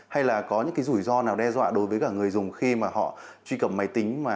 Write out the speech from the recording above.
hay là có những rủi ro nào đe dọa đối với người dùng khi họ truy cập máy tính